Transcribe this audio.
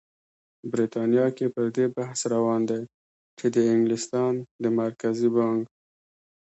بریتانیا کې پر دې بحث روان دی چې د انګلستان د مرکزي بانک